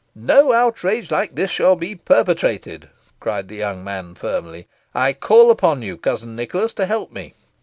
"No outrage like this shall be perpetrated," cried the young man, firmly; "I call upon you, cousin Nicholas, to help me.